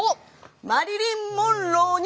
マリリン・モンロー。